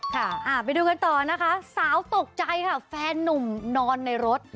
ค่ะไปดูกันต่อนะคะสาวตกใจค่ะแฟนนุ่มนอนในรถ